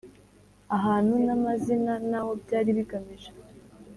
ahantu, n'amazina, n'aho byari bigamije